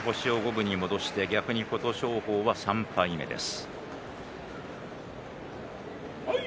輝、星を五分に戻して琴勝峰は３敗目です。